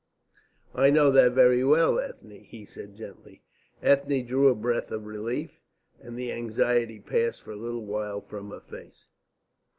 "I know that very well, Ethne," he said gently. Ethne drew a breath of relief, and the anxiety passed for a little while from her face.